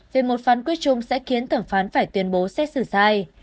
về một phán quyết chung sẽ khiến thẩm phán phải tuyên bố xét xử sai